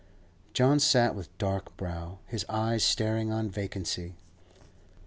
John sat with dark brow, his eyes staring on vacancy.